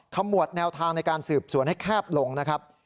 ขมวดแนวทางในการสืบสวนให้แคบลงนะครับ